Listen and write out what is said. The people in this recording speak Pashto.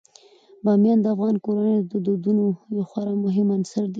بامیان د افغان کورنیو د دودونو یو خورا مهم عنصر دی.